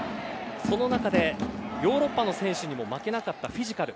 その中で、ヨーロッパの選手にも負けなかったフィジカル。